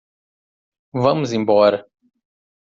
Vamos embora.